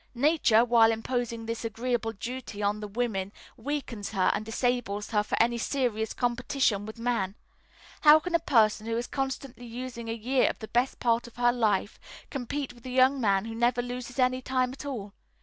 Nature, while imposing this agreeable duty on the woman, weakens her and disables her for any serious competition with man. How can a person who is constantly losing a year of the best part of her life compete with a young man who never loses any time at all?